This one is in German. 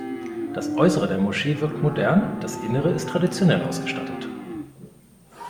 Das Äußere der Moschee wirkt modern, das Innere ist traditionell ausgestattet.